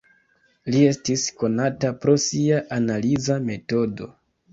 Li estis konata pro sia "Analiza Metodo".